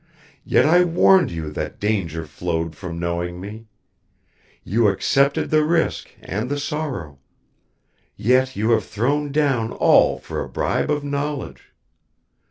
Yet I warned you that danger flowed from knowing me. You accepted the risk and the sorrow yet you have thrown down all for a bribe of knowledge.